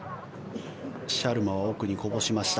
シャルマは奥にこぼしました。